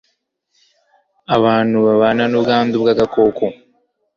abantu babana n'ubwanda bw'agakoko